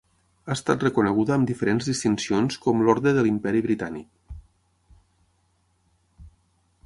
Ha estat reconeguda amb diferents distincions com l'Orde de l'Imperi Britànic.